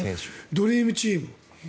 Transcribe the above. ドリームチーム。